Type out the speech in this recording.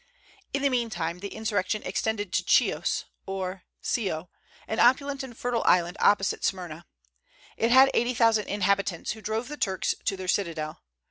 In the meantime the insurrection extended to Chios, or Scio, an opulent and fertile island opposite Smyrna. It had eighty thousand inhabitants, who drove the Turks to their citadel.